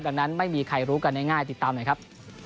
ดังนั้นไม่มีใครรู้กันง่ายติดตามหน่อยครับ